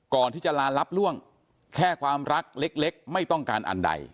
ก่อนที่จะลารับล่วงแค่ความรักเล็กไม่ต้องการอันใด